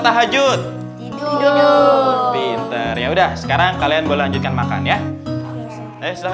tahajud tidur pinter ya udah sekarang kalian boleh lanjutkan makan ya eh sudah